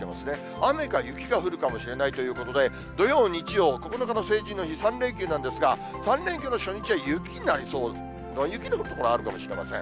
雨か雪が降るかもしれないということで土曜、日曜９日の成人の日、３連休なんですが、３連休の初日は雪の降る所あるかもしれません。